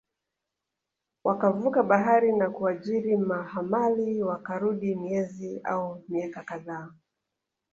wakavuka bahari na kuajiri mahamali Wakarudi miezi au miaka kadhaa